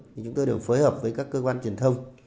thì chúng tôi đều phối hợp với các cơ quan truyền thông